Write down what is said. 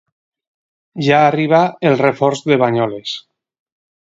Ja arriba el reforç de Banyoles.